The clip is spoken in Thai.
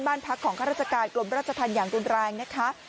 บ้านพักของฮาราชกาลกลมราชทันอย่างตื่นแรงนะคะ